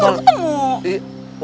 kan gak ketemu